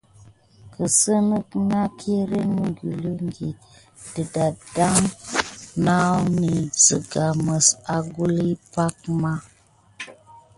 Kesine nà kirine mukulikine de dade nayany sika mis angula pan ama.